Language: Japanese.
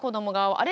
あれ？